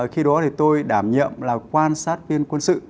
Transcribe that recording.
khi đó thì tôi đảm nhiệm là quan sát viên quân sự